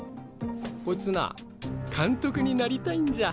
こいつな監督になりたいんじゃ。